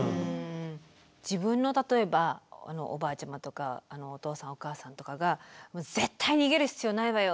自分の例えばおばあちゃまとかお父さんお母さんとかが「絶対逃げる必要ないわよ。